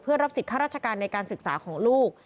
เพื่อรับสิทธิ์ข้าราชการในการศึกษาของลูก